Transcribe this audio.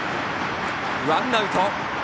ワンアウト。